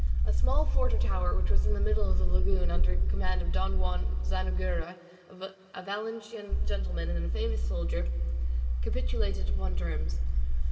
A small fort or tower which was in the middle of the lagoon under the command of Don Juan Zanoguera, a Valencian gentleman and a famous soldier, capitulated upon terms.